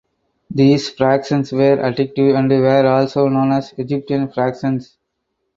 These fractions were additive and were also known as Egyptian fractions.